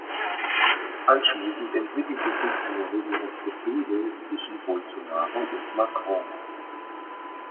Anschließend entwickelte sich eine regelrechte Fehde zwischen Bolsonaro und Macron.